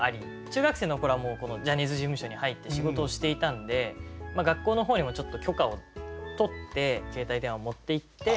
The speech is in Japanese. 中学生の頃はもうジャニーズ事務所に入って仕事をしていたんで学校の方にも許可を取って携帯電話を持っていって。